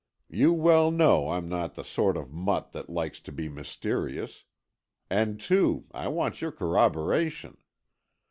You well know I'm not the sort of mutt that likes to be mysterious. And, too, I want your corroboration.